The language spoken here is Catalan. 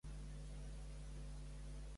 Vull fer una trucada a la clínica Quirón.